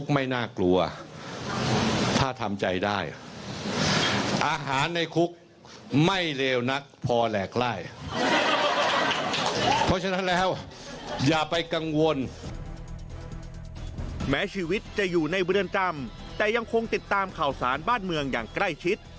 แม้ชีวิตจะอยู่ในเวือนจำแต่ยังคงติดตามข่าวศาลบ้านเมืองอย่างใกล้ชิด